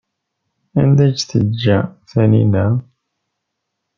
Anda ay tt-teǧǧa Taninna?